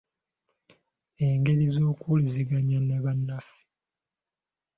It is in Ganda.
engeri z’okuwuliziganya ne bannaffe.